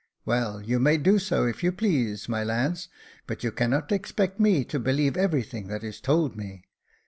" Well, you may do so, if you please, my lads ; but you cannot expect me to believe everything that is told me.